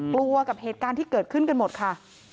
กลัวกับเหตุการณ์ที่เกิดขึ้นกันหมดค่ะ